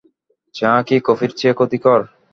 চা কি কফির চেয়ে ক্ষতিকর?